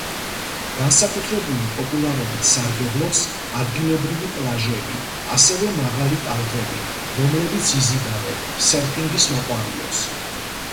განსაკუთრებული პოპულარობით სარგებლობს ადგილობრივი პლაჟები, ასევე მაღალი ტალღები, რომლებიც იზიდავენ სერფინგის მოყვარულებს.